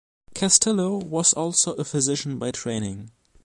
Castillo was also a physician by training.